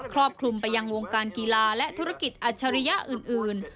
ครอบคลุมไปยังวงการกีฬาและธุรกิจอัจฉริยะอื่น